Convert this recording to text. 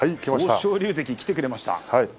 豊昇龍関が来てくれましたね。